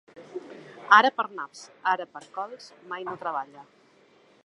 Ara per naps, ara per cols, mai no treballa.